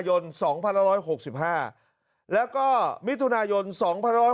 ยนต์สองพันร้อยหกสิบห้าแล้วก็มิทุนายนต์สองพันร้อย